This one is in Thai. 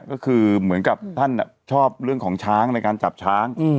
ก็คือเหมือนกับท่านชอบเรื่องของช้างในการจับช้าง